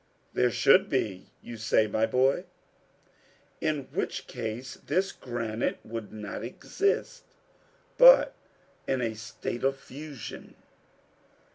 "There should be you say, my boy." "In which case this granite would not exist, but be in a state of fusion."